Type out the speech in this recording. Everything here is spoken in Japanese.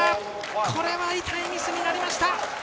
これは痛いミスになりました。